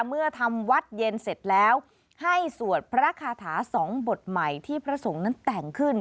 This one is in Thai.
เมื่อทำวัดเย็นเสร็จแล้วให้สวดพระคาถา๒บทใหม่ที่พระสงฆ์นั้นแต่งขึ้น